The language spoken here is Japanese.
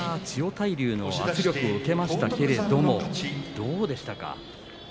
千代大龍の圧力を受けましたがどうでしたか。